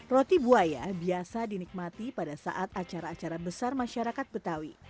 roti buaya biasa dinikmati pada saat acara acara besar masyarakat betawi